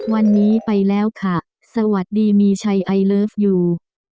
วันนี้ไปแล้วค่ะสวัสดีมีชัยไอเลิฟยู